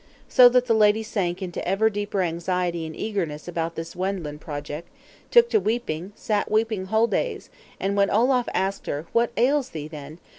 So that the lady sank into ever deeper anxiety and eagerness about this Wendland object; took to weeping; sat weeping whole days; and when Olaf asked, "What ails thee, then?"